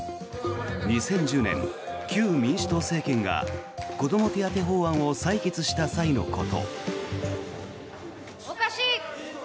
２０１０年、旧民主党政権が子ども手当法案を採決した際のこと。